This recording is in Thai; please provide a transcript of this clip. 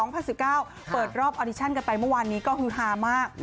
เปิดรอบออดิชั่นกันไปเมื่อวานนี้ก็ฮือฮามาก